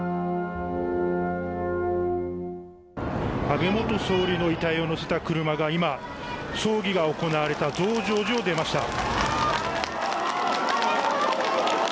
安倍元総理の遺体を載せた車が今葬儀が行われた増上寺を出ました。